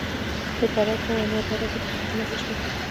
د فراه په انار دره کې د مسو نښې شته.